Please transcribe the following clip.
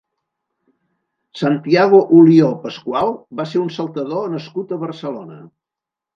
Santiago Ulió Pascual va ser un saltador nascut a Barcelona.